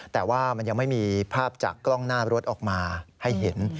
แต่ว่ามันยังไม่มีภาพจากกล้องหน้ารถออกมาให้เห็น